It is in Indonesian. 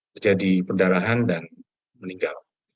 terjadi perdarahan dan meninggal